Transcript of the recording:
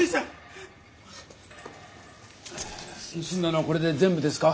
ぬすんだのはこれで全部ですか？